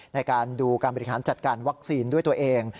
ในการดูการบริหารจัดการวัคซีนด้วยตัวเอง